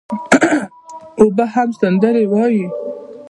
اوبه هم سندري وايي.